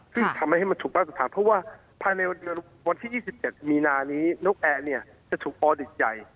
ซึ่งทำให้มันถูกมาตรฐานเพราะว่าภายในวันที่๒๗มีนานี้นกแอร์เนี่ยจะถูกออดิตใหญ่